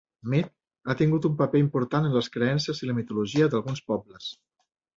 Mead ha tingut un paper important en les creences i la mitologia d'alguns pobles.